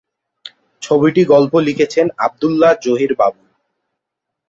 ছবিটি গল্প লিখেছেন আব্দুল্লাহ জহির বাবু।